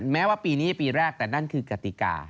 แม้ว่าปีนี้ปีแรกแต่นั่นคือกติกา